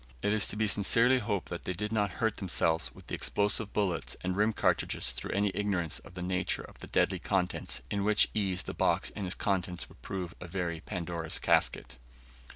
It is to be sincerely hoped that they did not hurt themselves with the explosive bullets and rim cartridges through any ignorance of the nature of the deadly contents; in which ease the box and its contents would prove a very Pandora's casket.